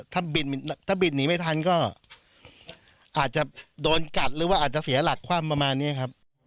ถ้าบิดหนีไม่ทันก็อาจจะโดนกัดหรือว่าอาจจะเสียหลักคว่ำประมาณนี้ครับ